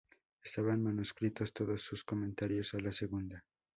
Estaban manuscritos todos sus comentarios a la segunda.